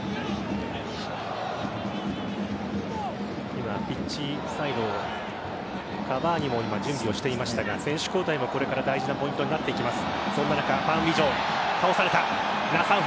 今、ピッチサイドカヴァーニも準備をしていましたが選手交代もこれから大事なポイントになっていきます。